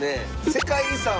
世界遺産を。